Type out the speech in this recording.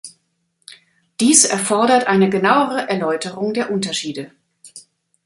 Dies erfordert eine genauere Erläuterung der Unterschiede.